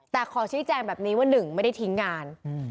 แต่ขอชี้แจงแบบนี้ว่า๑ไม่ได้ทิ้งงาน